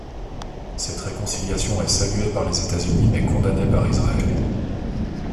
Cette réconciliation est saluée par les États-Unis mais condamnée par Israël.